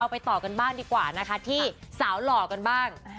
ไปต่อกันบ้างดีกว่านะคะที่สาวหล่อกันบ้าง